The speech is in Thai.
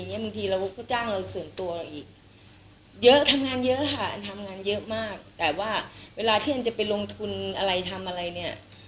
เยอะค่ะอันทำงานเยอะมากแต่ว่าเวลาที่อันจะไปลงทุนอะไรทำอะไรเนี้ย